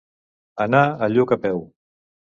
Anar a Lluc a peu.